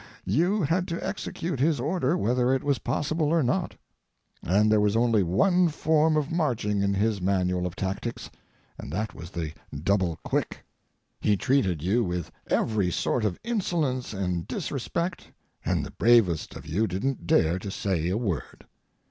You had to execute his order whether it was possible or not. And there was only one form of marching in his manual of tactics, and that was the double quick. He treated you with every sort of insolence and disrespect, and the bravest of you didn't dare to say a word.